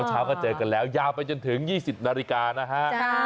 เช้าก็เจอกันแล้วยาวไปจนถึง๒๐นาฬิกานะฮะ